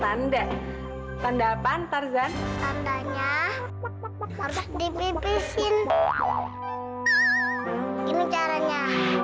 tanda tanda tanda pantasan tanda nya harus dipipisin ini caranya